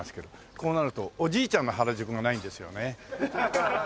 こうなるとおじいちゃんの原宿がないんですよね。